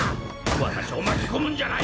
私を巻き込むんじゃない！